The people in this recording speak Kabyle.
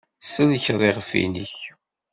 Tsellkeḍ iɣef-nnek.